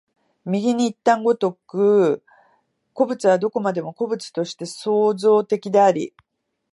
右にいった如く、個物はどこまでも個物として創造的であり、